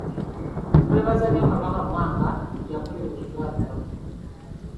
Twebaza nnyo Kabaka Mwanga bye yakolera Obuganda.